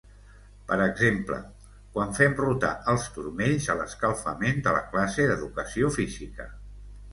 Per exemple: quan fem rotar els turmells a l'escalfament de la classe d'Educació Física.